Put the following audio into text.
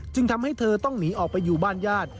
ทำให้เธอต้องหนีออกไปอยู่บ้านญาติ